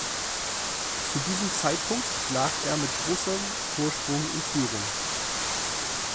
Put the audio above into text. Zu diesem Zeitpunkt lag er mit großem Vorsprung in Führung.